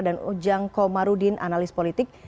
dan ujang komarudin analis politik